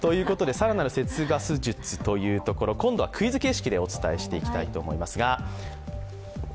更なる節ガス術というところ今度はクイズ形式でお伝えしていきたいと思います。